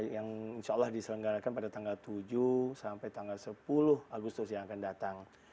yang insya allah diselenggarakan pada tanggal tujuh sampai tanggal sepuluh agustus yang akan datang